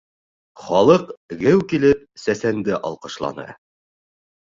Халыҡ, геү килеп, сәсәнде алҡышланы.